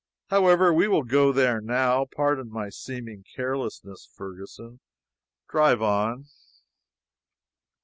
However, we will go there now. Pardon my seeming carelessness, Ferguson. Drive on."